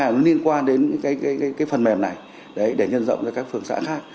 liên quan đến phần mềm này để nhân rộng cho các phường xã khác